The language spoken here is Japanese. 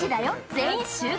全員集合」。